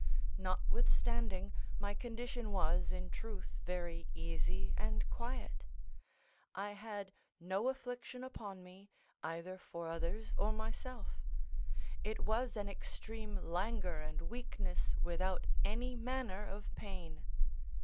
Notwithstanding, my condition was, in truth, very easy and quiet; I had no affliction upon me, either for others or myself; it was an extreme languor and weakness, without any manner of pain.